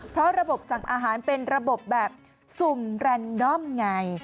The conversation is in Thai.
เพราะระบบสั่งอาหารเป็นระบบแบบสุ่มแรนดอมไง